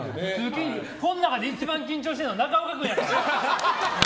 この中で一番緊張してるの中岡君やで。